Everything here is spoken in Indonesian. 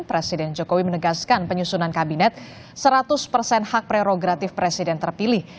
presiden jokowi menegaskan penyusunan kabinet seratus persen hak prerogatif presiden terpilih